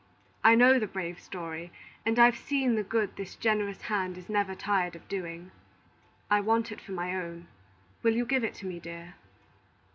I know the brave story, and I've seen the good this generous hand is never tired of doing. I want it for my own. Will you give it to me, dear?"